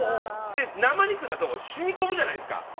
で生肉だとしみ込むじゃないですか。